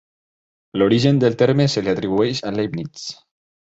L'origen del terme se li atribueix a Leibniz.